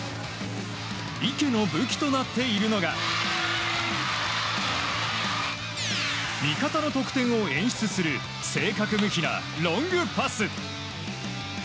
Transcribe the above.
池の武器となっているのが味方の得点を演出する正確無比なロングパス。